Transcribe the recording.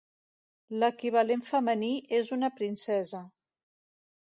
L'equivalent femení és una princesa.